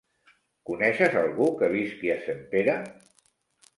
Coneixes algú que visqui a Sempere?